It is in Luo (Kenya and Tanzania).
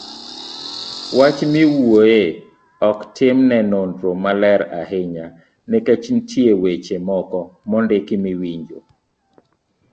Wach miwuoyoe ok tim ne nonro maler ahinya nikech nitie weche moko mondiki miwinjo